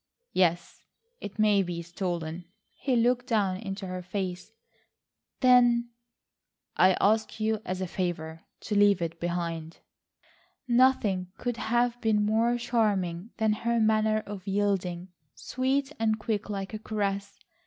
"Yes, it may be stolen." He looked down into her face. "Then—" "I ask you as a favour to leave it behind." Nothing could have been more charming than her manner of yielding, sweet and quick like a caress.